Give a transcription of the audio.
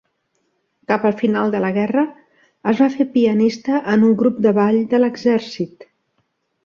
Cap al final de la guerra, es va fer pianista en un grup de ball de l'exèrcit.